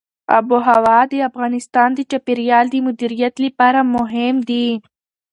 آب وهوا د افغانستان د چاپیریال د مدیریت لپاره مهم دي.